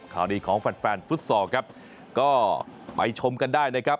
ข้าวนี้ของแฟนฟุตซอลก็ไปชมกันได้